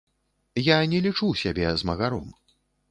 Я не лічу сябе змагаром.